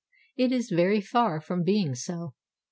It is very far from being so.